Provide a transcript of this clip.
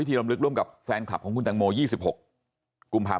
พิธีลำลึกร่วมกับแฟนคลับของคุณตังโมยี่สิบหกกุมพา